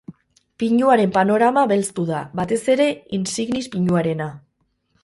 Pinuaren panorama belztu da, batez ere insignis pinuarena.